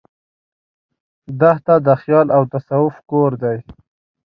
دښته د خیال او تصوف کور دی.